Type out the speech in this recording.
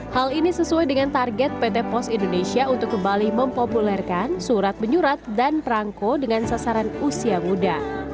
hal ini sesuai dengan target pt pos indonesia untuk kembali mempopulerkan surat menyurat dan perangko dengan sasaran usia muda